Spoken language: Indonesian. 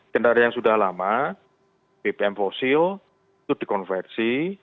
kendaraan yang sudah lama bpm fosil itu dikonversi